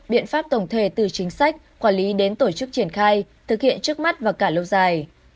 biện pháp tổng thể từ chính sách quản lý đến tổ chức triển khai thực hiện trước mắt và cả lâu dài